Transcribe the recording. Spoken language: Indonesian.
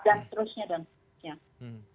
dan seterusnya dan seterusnya